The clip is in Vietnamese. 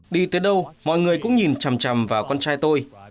đi tới đâu mọi người cũng nhìn chầm chầm vào con trai tôi